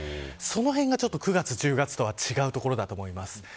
そのへんが９月、１０月とは違うところだと思います。